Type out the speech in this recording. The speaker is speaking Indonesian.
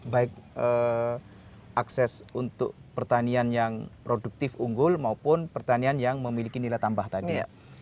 baik akses untuk pertanian yang produktif unggul maupun pertanian yang memiliki nilai tambah tadi